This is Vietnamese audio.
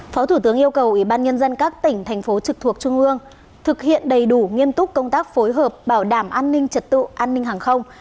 phó thủ tướng yêu cầu ủy ban nhân dân các tỉnh thành phố trực thuộc trung ương thực hiện đầy đủ nghiêm túc công tác phối hợp bảo đảm an ninh trật tự an ninh hàng không